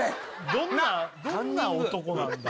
どんな男なんだ？